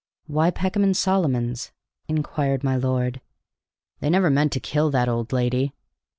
"Why Peckham and Solomons?" inquired my lord. "They never meant to kill that old lady."